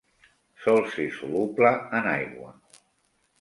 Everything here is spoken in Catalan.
Sol ser soluble en aigua.